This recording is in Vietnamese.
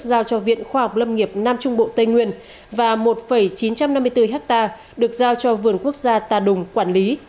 giao cho viện khoa học lâm nghiệp nam trung bộ tây nguyên và một chín trăm năm mươi bốn hectare được giao cho vườn quốc gia tà đùng quản lý